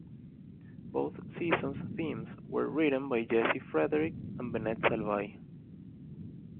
Both seasons' themes were written by Jesse Frederick and Bennett Salvay.